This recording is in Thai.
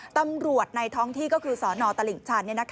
ตำรวจในท้องที่ก็คือสนตลิ่งชัน